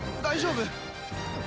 大丈夫？